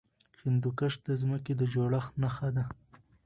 هندوکش د ځمکې د جوړښت نښه ده.